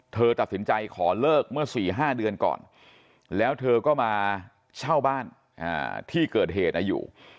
เธอตัดสินใจขอเลิกเมื่อ๔๕เดือนก่อนแล้วเธอก็มาเช่าบ้านที่เกิดเหตุอยู่